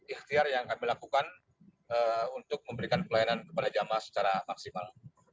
ikhtiar yang kami lakukan untuk memberikan pelayanan kepada jamaah secara maksimal